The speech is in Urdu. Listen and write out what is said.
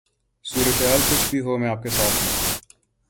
صورتحال کچھ بھی ہو میں آپ کے ساتھ ہوں